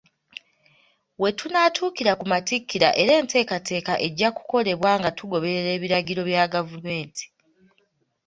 We tunaatuukira ku Matikkira era enteekateeka ejja kukolebwa nga tugoberera ebiragiro bya gavumenti.